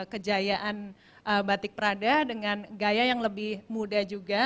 kejayaan batik prada dengan gaya yang lebih muda juga